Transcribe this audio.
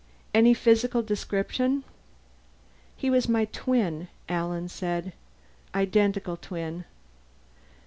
"And physical description?" "He was my twin," Alan said. "Identical twin."